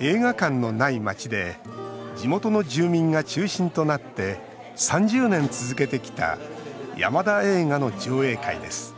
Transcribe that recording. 映画館のない町で地元の住民が中心となって３０年続けてきた山田映画の上映会です。